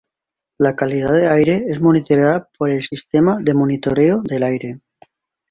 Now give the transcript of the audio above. La calidad del aire es monitoreada por el Sistema de Monitoreo del Aire.